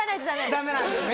ダメなんですね。